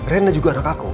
reina juga anak aku